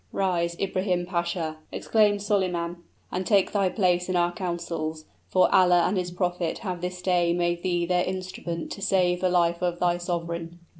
"Rise, Ibrahim Pasha!" exclaimed Solyman, "and take thy place in our councils, for Allah and his prophet have this day made thee their instrument to save the life of thy sovereign."